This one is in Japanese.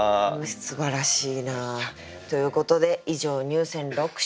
すばらしいな。ということで以上入選六首でした。